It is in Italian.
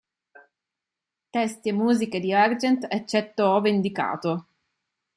Testi e musiche di Argent, eccetto ove indicato.